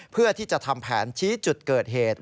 เพื่อที่จะทำแผนชี้จุดเกิดเหตุ